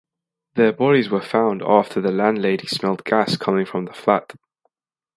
Their bodies were found after the landlady smelled gas coming from the flat.